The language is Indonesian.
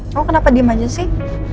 kamu kenapa diem aja sih